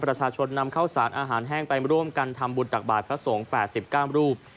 ประชาชนนำเข้าสารอาหารแห้งไปร่วมกันทำบุญตักบาทพระสงฆ์๘๙รูป